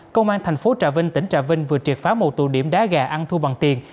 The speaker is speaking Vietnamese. công an thành phố trà vinh tỉnh trà vinh vừa triệt phá một tụ điểm đá gà ăn thu bằng tiền